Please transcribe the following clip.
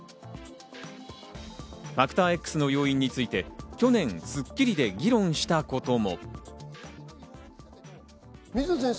ファクターＸの要因について去年『スッキリ』で議論したことも。